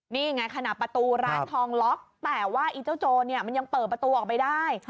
นี่ไงขณะประตูร้านทองล็อกแต่ว่าไอ้เจ้าโจรเนี่ยมันยังเปิดประตูออกไปได้